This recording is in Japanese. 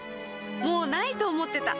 もう無いと思ってた